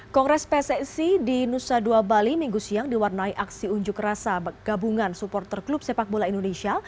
kongres pssi di nusa dua bali minggu siang diwarnai aksi unjuk rasa gabungan supporter klub sepak bola indonesia